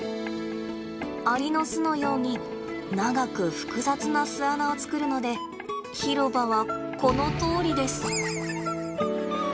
アリの巣のように長く複雑な巣穴を作るので広場はこのとおりです。